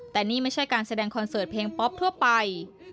แต่นี่ไม่ใช่การแสดงคอนเสิร์ตเพลงป๊อปทั่วไป